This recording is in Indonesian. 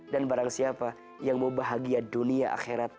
dan barang siapa yang mau bahagia dunia akhirat